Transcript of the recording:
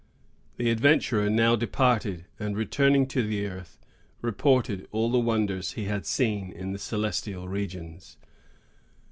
The adventurer now departed, and, returning to the earth, reported all the wonders he had seen in the celestial regions.